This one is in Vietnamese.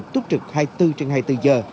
túc trực hai mươi bốn trên hai mươi bốn giờ